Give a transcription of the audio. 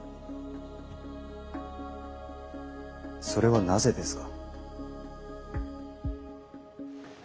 それはなぜですか？